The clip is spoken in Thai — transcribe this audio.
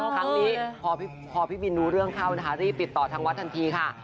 ครั้งนี้พอพี่บินรู้เรื่องเข้านะคะรีบติดต่อทางวัดทันทีค่ะ